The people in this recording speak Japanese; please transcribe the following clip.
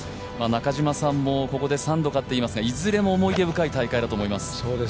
中嶋さんもここで３度勝っていますが、いずれも思い出深い大会だと思います。